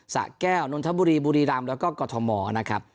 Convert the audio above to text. สะแก้วนทบุรีบุรีฎามและก็กตทมนะครับ